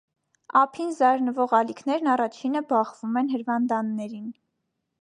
Ափին զարնվող ալիքներն առաջինը բախվում են հրվանդաններին։